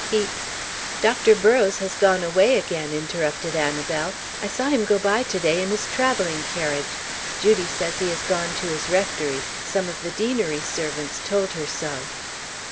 He " "Dr. Burrows has gone away again," interrupted Annabel. "I saw him go by to day in his travelling carriage. Judy says he has gone to his rectory; some of the deanery servants told her so."